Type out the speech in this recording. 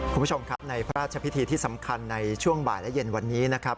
คุณผู้ชมครับในพระราชพิธีที่สำคัญในช่วงบ่ายและเย็นวันนี้นะครับ